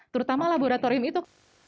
terutama laboratorium itu